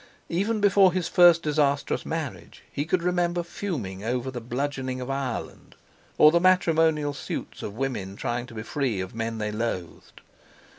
Even before his first disastrous marriage he could remember fuming over the bludgeoning of Ireland, or the matrimonial suits of women trying to be free of men they loathed.